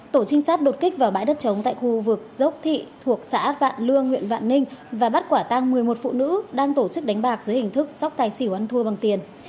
tổ trinh sát đột kích vào bãi đất trống tại khu vực dốc thị thuộc xã vạn lương huyện vạn ninh và bắt quả tăng một mươi một phụ nữ đang tổ chức đánh bạc dưới hình thức sóc tài xỉu ăn thua bằng tiền